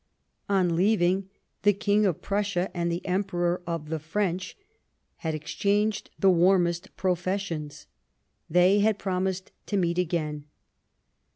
On leaving, the King of Prussia, and the Emperor of the French had exchanged the warmest professions ; they had promised to meet again.